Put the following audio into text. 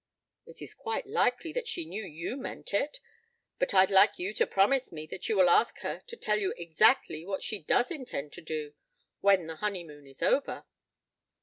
"It is quite likely that she knew you meant it! But I'd like you to promise me that you will ask her to tell you exactly what she does intend to do when the honeymoon is over."